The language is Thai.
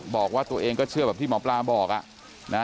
บอกว่าตัวเองก็เชื่อแบบที่หมอปลาบอก